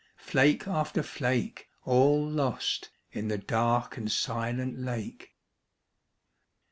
Flake after flake — All lost in the dark and silent lake.